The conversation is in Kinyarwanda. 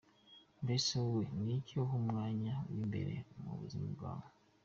Mbese wowe ni iki uha umwanya w'imbere mu buzima bwawe?.